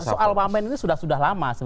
soal wakmen ini sudah sudah lama